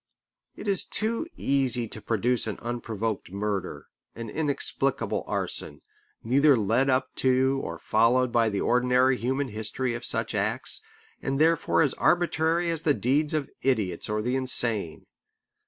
It is too easy to produce an unprovoked murder, an inexplicable arson, neither led up to nor followed by the ordinary human history of such acts, and therefore as arbitrary as the deeds of idiots or the insane.